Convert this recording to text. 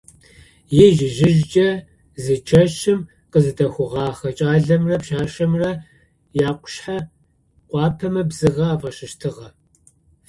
Ижъ-ижъыжькӏэ зы чэщым къызэдэхъугъэхэ кӏалэмрэ пшъашъэмрэ якъушъэ къуапэмэ бзыгъэ афашӏыщтыгъэ.